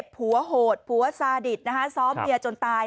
ผัวโหดผัวสาดิทซ้อมเบียจนตาย